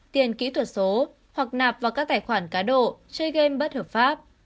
tiền kỹ thuật số hoặc nạp vào các tài khoản cá độ chơi game bất hợp pháp